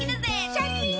シャキン！